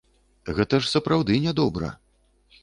Гэта ж сапраўды нядобра.